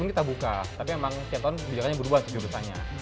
ini kita buka tapi emang setiap tahun kebijakannya berubah sejurusannya